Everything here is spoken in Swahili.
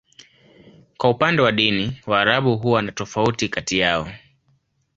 Kwa upande wa dini, Waarabu huwa na tofauti kati yao.